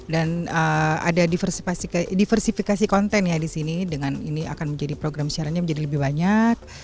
dan ada diversifikasi kontennya di sini dengan ini akan menjadi program siarannya menjadi lebih banyak